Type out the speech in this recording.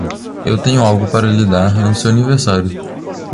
Eu tenho algo para lhe dar no seu aniversário.